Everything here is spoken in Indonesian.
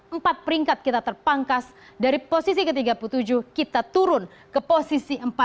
empat peringkat kita terpangkas dari posisi ke tiga puluh tujuh kita turun ke posisi empat